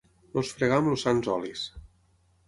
Els fregà amb els sants olis.